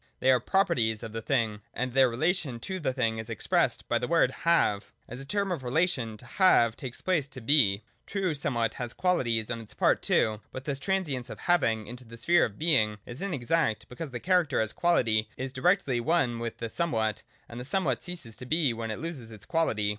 They are Properties of the thing : and their relation to the thing is expressed by the word 'have.' As a term of relation, ' to have ' takes the place of ' to be.* True, somewhat has qualities on its part too : but this transference of 'Having' into the sphere of Being is inexact, because the character as quality is directly one with the somewhat, and the somewhat ceases to be when it loses its quality.